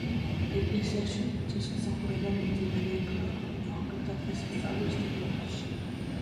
ეკლესიაში ღვთისმსახურება მიმდინარეობდა კვირაობით და დღესასწაულის დღეებში.